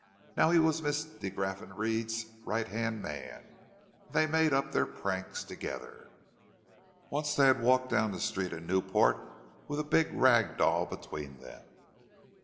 Now he was Mrs. de Graffenried's right hand man, and they made up their pranks together. Once they had walked down the street in Newport with a big rag doll between them.